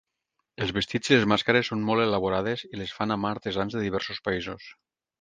Els vestits i les màscares són molt elaborades i les fan a mà artesans de diversos països.